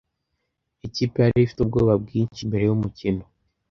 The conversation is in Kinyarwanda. Ikipe yari ifite ubwoba bwinshi mbere yumukino.